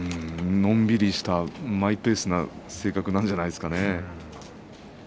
のんびりしたマイペースな性格なんじゃないですかね。